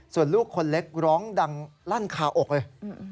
ส่วนลูกคนเล็กร้องดังลั่นคาอกเลย